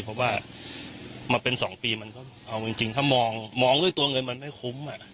เพราะว่ามาเป็น๒ปีมันก็เอาจริงถ้ามองด้วยตัวเงินมันไม่คุ้ม